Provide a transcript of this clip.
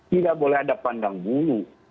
tidak boleh ada pandang bulu